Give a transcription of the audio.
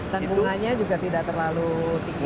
tanggungannya juga tidak terlalu tinggi kan